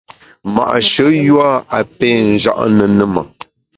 Ma’she yua a pé nja’ ne ne ma !